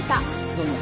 どうも。